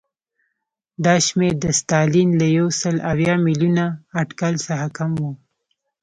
دا شمېر د ستالین له یو سل اویا میلیونه اټکل څخه کم و